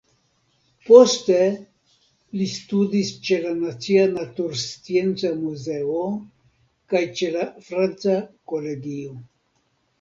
Poste, li studis ĉe la Nacia Naturscienca Muzeo kaj ĉe la Franca Kolegio.